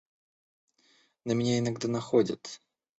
На меня иногда находит.